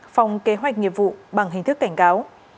phòng kế hoạch nghiệp vụ bằng hình thức cảnh cáo